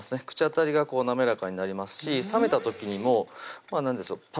口当たりがこうなめらかになりますし冷めた時にもなんでしょう